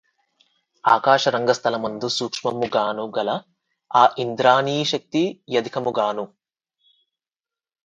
ఆకాశరంగస్థలమందు సూక్ష్మము గాను గల ఆ యింద్రాణీశక్తి యధికముగాను